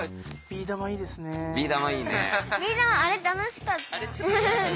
ビー玉あれ楽しかった。